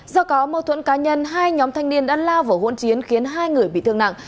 do có mâu thuẫn cá nhân hai nhóm thanh niên đã lao vào hỗn chiến khiến hai người bị thương nặng